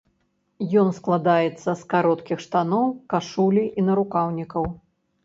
Ён складаецца з кароткіх штаноў, кашулі і нарукаўнікаў.